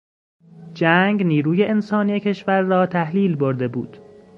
جنگ نیروی انسانی کشور را تحلیل برده بود.